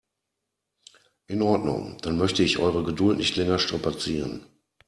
In Ordnung, dann möchte ich eure Geduld nicht länger strapazieren.